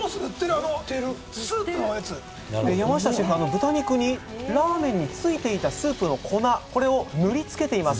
豚肉にラーメンについていたスープの粉これを塗りつけています